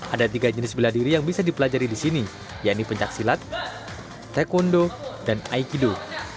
ada tiga jenis bela diri yang bisa dipelajari di sini yaitu pencaksilat taekwondo dan aikido